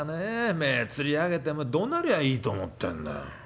目ぇつり上げてどなりゃいいと思ってんだよ。